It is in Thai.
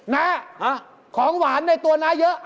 น้าของหวานในตัวน้าเยอะ